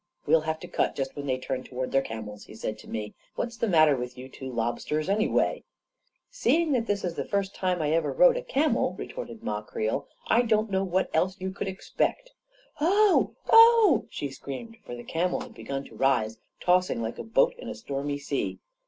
" We'll have to cut just when they turn to ward their camels," he said to me. "What's the matter with you two lobsters, anyway ?"" Seeing that this is the first time I ever rode a camel," retorted Ma Creel, " I don't know what else you could expect ! Oh — oh !" she screamed, for the camel had begun to rise, tossing like a boat in a stormy sea.